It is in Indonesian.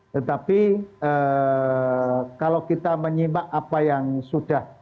tetapi kalau kita menyimak apa yang sudah